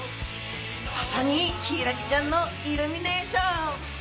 まさにヒイラギちゃんのイルミネーション！